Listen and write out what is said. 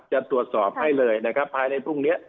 จะตรวจสอบให้เลยนะครับภายในพรุ่งนี้